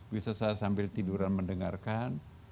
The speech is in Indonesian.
bisa saya sambil tiduran mendengarkan